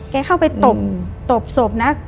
แกเข้าไปตบสบนะ